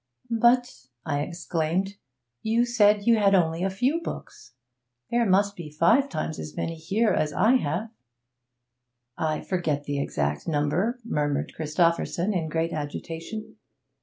'But,' I exclaimed, 'you said you had only a few books! There must be five times as many here as I have.' 'I forget the exact number,' murmured Christopherson, in great agitation.